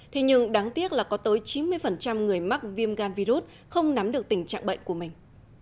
thế nhưng đáng tiếc là có tới chín mươi người mắc viêm gan virus không nắm được tình trạng bệnh của mình